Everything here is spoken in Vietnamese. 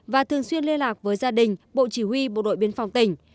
và thường xuyên liên lạc với gia đình bộ chỉ huy bộ đội biên phòng tỉnh